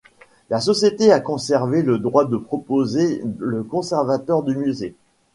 La société a conservé le droit de proposer le conservateur du musée.